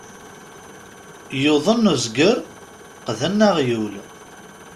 Yuḍen uzger, qqden aɣyul.